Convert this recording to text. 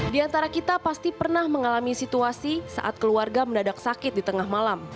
di antara kita pasti pernah mengalami situasi saat keluarga mendadak sakit di tengah malam